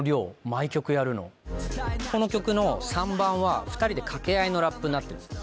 この曲の３番は２人で掛け合いのラップになってるんですね。